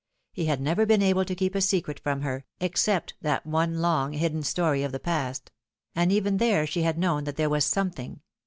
He had never been able to keep a secret from her, except that one long hidden story of the past ; and even there she had known that there was something.